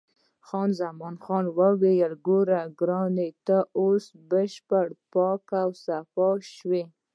خان زمان وویل: ګوره ګرانه، ته اوس بشپړ پاک او صاف شوې.